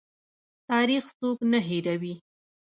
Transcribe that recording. تاریخ څوک نه هیروي